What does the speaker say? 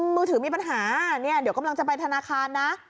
มือถือมีปัญหาเนี่ยเดี๋ยวกำลังจะไปธนาคารนะ